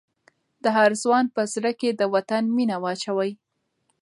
د هر ځوان په زړه کې د وطن مینه واچوئ.